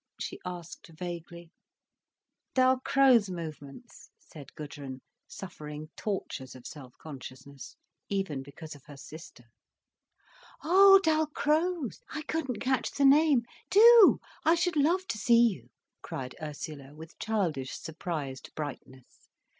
she asked vaguely. "Dalcroze movements," said Gudrun, suffering tortures of self consciousness, even because of her sister. "Oh Dalcroze! I couldn't catch the name. Do—I should love to see you," cried Ursula, with childish surprised brightness.